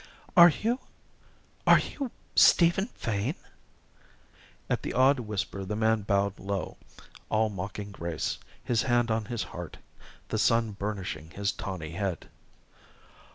"Are you are you Stephen Fane?" At the awed whisper the man bowed low, all mocking grace, his hand on his heart the sun burnishing his tawny head.